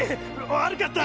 悪かった！